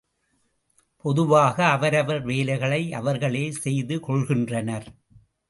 பொதுவாக அவரவர் வேலைகளை அவர்களே செய்துகொள்கின்றனர்.